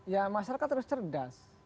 ya masyarakat harus cerdas